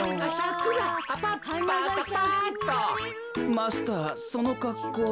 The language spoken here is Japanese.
マスターそのかっこうは。